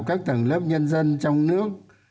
các tầng lớp nhân dân trong nước